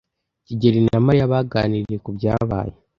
kigeli na Mariya baganiriye ku byabaye.